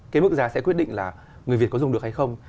cái mức giá sẽ quyết định là người việt có dùng được hay không